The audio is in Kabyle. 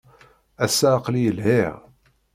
Ass-a, aql-iyi lhiɣ.